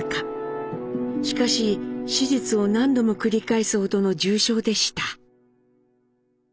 しかし手術を何度も繰り返すほどの重傷でした。